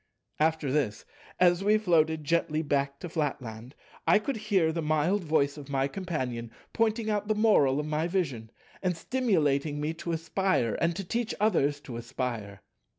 After this, as we floated gently back to Flatland, I could hear the mild voice of my Companion pointing the moral of my vision, and stimulating me to aspire, and to teach others to aspire.